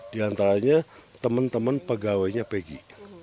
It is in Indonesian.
di antaranya teman teman pegawainya pegi